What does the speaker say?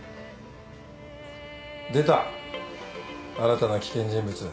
出た新たな危険人物。